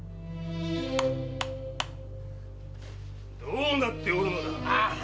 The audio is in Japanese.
どうなっておるのだ⁉